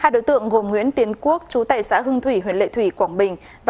hai đối tượng gồm nguyễn tiến quốc chú tài xã hương thủy huỳnh lệ thủy quảng bình